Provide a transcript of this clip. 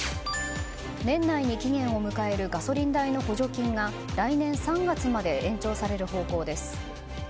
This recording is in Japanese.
年内に期限を迎えるガソリン代の補助金が来年３月まで延長される方向です。